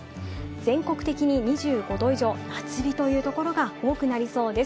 全国的に２５度以上の夏日というところが多くなりそうです。